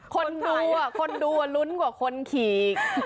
คนดูคนดูลุ้นกว่าคนขี่